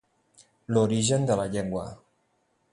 L'origen de la llengua.